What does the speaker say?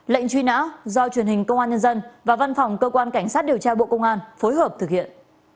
lệnh truy nã do truyền hình công an nhân dân và văn phòng cơ quan cảnh sát điều tra bộ công an phối hợp thực hiện